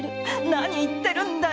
何を言ってるんだい